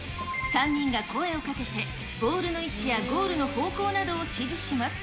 ３人が声をかけて、ボールの位置やゴールの方向などを指示します。